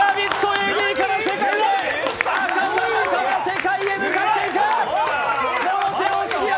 ＡＤから世界へ、赤坂から世界へ向かっていく！